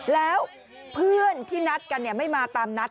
แล้วเพื่อนที่นัดกันไม่มาตามนัด